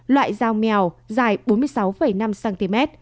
loại dao mèo dài bốn mươi sáu năm cm